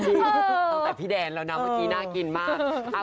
ตั้งแต่พี่แดนแล้วนะเมื่อกี้น่ากินมาก